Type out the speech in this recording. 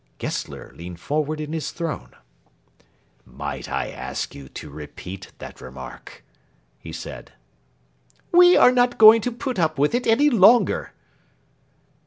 Gessler leaned forward in his throne. "Might I ask you to repeat that remark?" he said. "We are not going to put up with it any longer!"